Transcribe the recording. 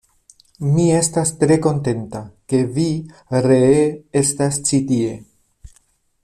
Mi estas tre kontenta, ke vi ree estas ĉi tie.